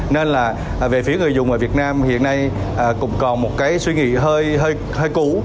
nên là về phía người dùng ở việt nam hiện nay cũng còn một cái suy nghĩ hơi hơi cũ